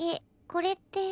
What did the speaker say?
これって。